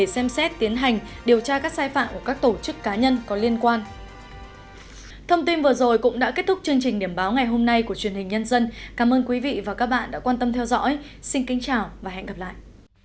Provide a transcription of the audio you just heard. xin kính chào và hẹn gặp lại